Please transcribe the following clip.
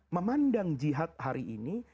memandang jihad hari ini